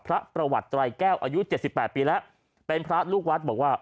พระประวัติไตรแก้วอายุ๗๘ปีแล้วเป็นพระลูกวัดบอกว่า